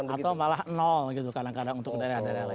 atau malah nol gitu kadang kadang untuk daerah daerah lain